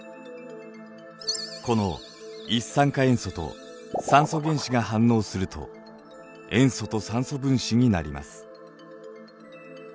この一酸化塩素と酸素原子が反応すると塩素と酸素分子になります。